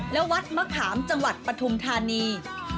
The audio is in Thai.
และวัดมะขามจังหวัดปฐุมธานี